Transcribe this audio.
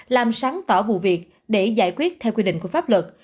làm sáng tỏ vụ việc để giải quyết theo quy định của pháp luật